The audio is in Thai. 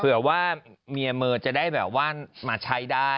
เผื่อว่าเมียเมอร์จะได้แบบว่ามาใช้ได้